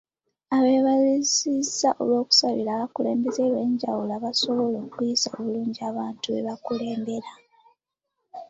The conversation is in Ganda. Abeebazizza olw'okusabira abakulembeze ab'enjawulo okusobola okuyisa obulungi abantu be bakulembera.